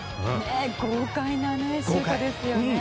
豪快なシュートですよね。